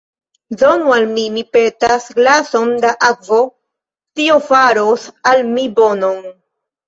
Donu al mi, mi petas, glason da akvo; tio faros al mi bonon.